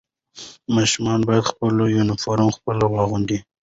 ماشوم باید خپل یونیفرم خپله واغوندي.